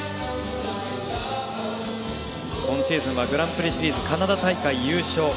今シーズンはグランプリシリーズのカナダ大会優勝